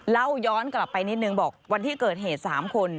เล่าย้อนกลับไปนิดนึงบอกวันที่เกิดเหตุ๓คน